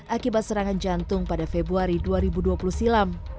akibat serangan jantung pada februari dua ribu dua puluh silam